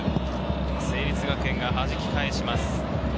成立学園がはじき返します。